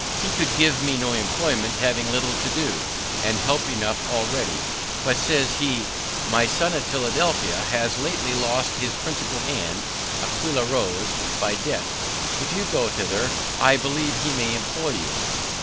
He could give me no employment, having little to do, and help enough already; but says he, "My son at Philadelphia has lately lost his principal hand, Aquilla Rose, by death; if you go thither, I believe he may employ you."